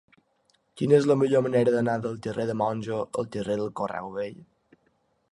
Quina és la millor manera d'anar del carrer de Monjo al carrer del Correu Vell?